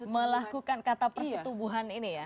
melakukan kata persetubuhan ini ya